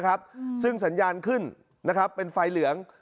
ซึ่งสัญญาณขึ้นนะครับเป็นไฟเหลือง